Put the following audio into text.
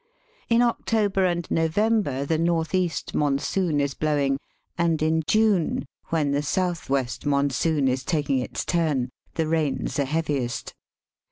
In October and November the north east monsoon is blowing, and in June, when the south west monsoon is taking its turn, the rains are heaviest.